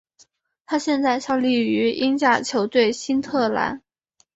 他现在效力于英甲球队新特兰。